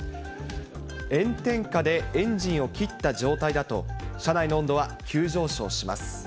炎天下でエンジンを切った状態だと、車内の温度は急上昇します。